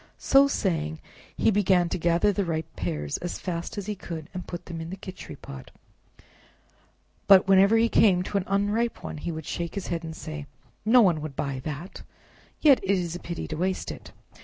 So saying, he began to gather the ripe pears as fast as he could and put them in the Khichri pot, but whenever he came to an unripe one he would shake his head and say, "No one would buy that, yet it is a pity to waste it."